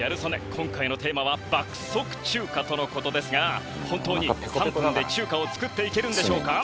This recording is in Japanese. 今回のテーマは「爆速中華」との事ですが本当に３分で中華を作っていけるんでしょうか？